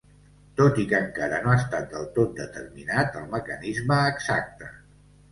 Tot i que encara no ha estat del tot determinat el mecanisme exacte.